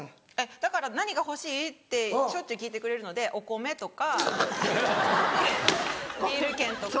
だから何が欲しい？ってしょっちゅう聞いてくれるのでお米とかビール券とか。